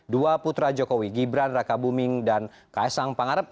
dua putra jokowi gibran raka buming dan kaisang pangarep